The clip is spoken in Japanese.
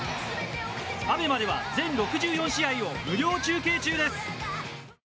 ＡＢＥＭＡでは全６４試合を無料生中継中です。